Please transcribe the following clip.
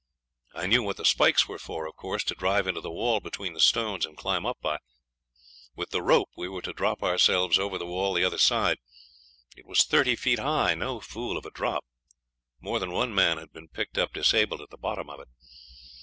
I knew what the spikes were for, of course; to drive into the wall between the stones and climb up by. With the rope we were to drop ourselves over the wall the other side. It was thirty feet high no fool of a drop. More than one man had been picked up disabled at the bottom of it.